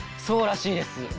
そうらしいです。